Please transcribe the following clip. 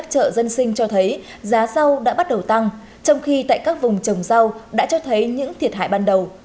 hôm nay giá râu đã bắt đầu tăng trong khi tại các vùng trồng râu đã cho thấy những thiệt hại ban đầu